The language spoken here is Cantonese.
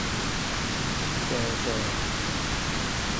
射射